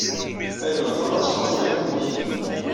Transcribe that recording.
Ma tewwteḍ, ad tḥazeḍ iman-ik.